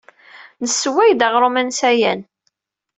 Nessewway-d aɣrum ansayan.